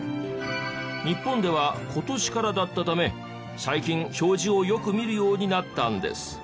日本では今年からだったため最近表示をよく見るようになったんです。